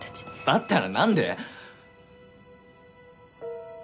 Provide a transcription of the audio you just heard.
だったらなんで！